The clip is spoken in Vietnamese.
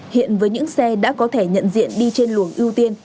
hiện với những xe đã có thể nhận diện đi trên luồng ưu tiên